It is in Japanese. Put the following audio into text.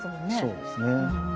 そうですね。